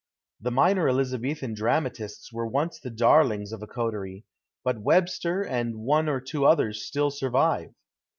The minor Elizabethan dramatists were once the darlings of a coterie, but Webster and one or two others still sur vive.